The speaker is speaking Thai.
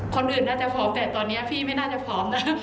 คนอื่นน่าจะพร้อมแต่ตอนนี้พี่ไม่น่าจะพร้อมนะ